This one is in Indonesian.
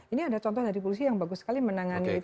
ini ada contoh dari polisi yang bagus sekali menangani itu